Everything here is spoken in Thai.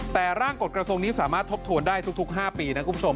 แต่ร่างกฎกระทรวงนี้สามารถทบทวนได้ทุก๕ปีนะคุณผู้ชม